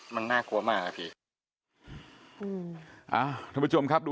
มันน่ากลัวมากครับพี่